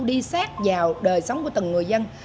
đi sát vào đời sống của từng người dân